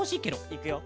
いくよ！